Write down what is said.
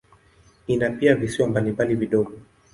Ina pia visiwa mbalimbali vidogo.